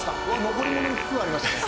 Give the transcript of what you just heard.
残り物に福がありますね。